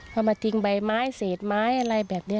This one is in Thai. เอามาทิ้งใบไม้เศษไม้อะไรแบบนี้